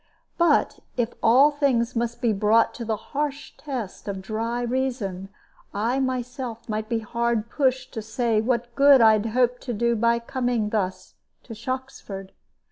But if all things must be brought to the harsh test of dry reason, I myself might be hard pushed to say what good I hoped to do by coming thus to Shoxford.